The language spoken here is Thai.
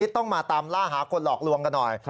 ต้องมาตามล่าหาคนหลอกลวงกันหน่อย